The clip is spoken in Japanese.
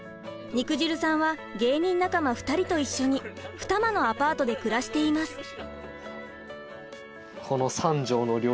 肉汁さんは芸人仲間２人と一緒に二間のアパートで暮らしています。